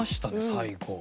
最後。